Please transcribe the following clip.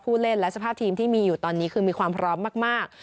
เล่นและสภาพทีมที่มีอยู่ตอนนี้คือมีความพร้อมมาก